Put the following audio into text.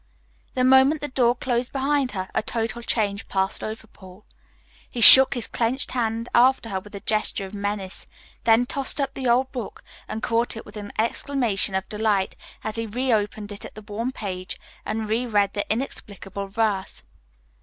The moment the door closed behind her a total change passed over Paul. He shook his clenched hand after her with a gesture of menace, then tossed up the old book and caught it with an exclamation of delight, as he reopened it at the worn page and reread the inexplicable verse.